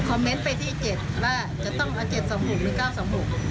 เมนต์ไปที่เจ็ดว่าจะต้องเอาเจ็ดสองหกหรือเก้าสองหก